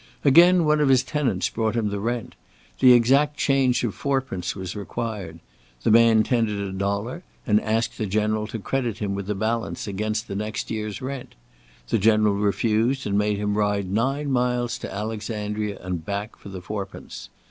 Again, one of his tenants brought him the rent. The exact change of fourpence was required. The man tendered a dollar, and asked the General to credit him with the balance against the next year's rent. The General refused and made him ride nine miles to Alexandria and back for the fourpence.